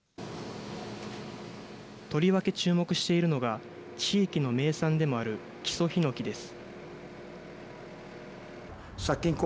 とりわけ注目しているのが、地域の名産でもある木曽ひのきです。